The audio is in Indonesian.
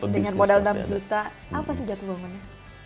dengan modal enam juta apa sih jatuh bangunnya